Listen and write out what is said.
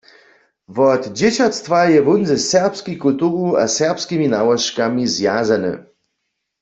Wot dźěćatstwa je wón ze serbskej kulturu a serbskimi nałožkami zwjazany.